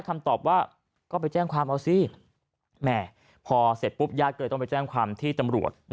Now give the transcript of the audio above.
ก็ไปแจ้งความเอาสิแหมพอเสร็จปุ๊บยาเกิดต้องไปแจ้งความที่ตำรวจ